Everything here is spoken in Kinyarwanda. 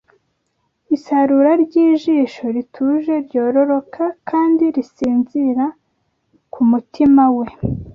Isarura ryijisho rituje Ryororoka kandi risinzira kumutima we